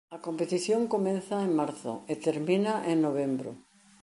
A competición comeza en marzo e termina en novembro.